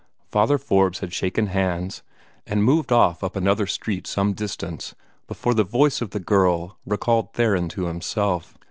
Father Forbes had shaken hands, and moved off up another street some distance, before the voice of the girl recalled Theron to himself.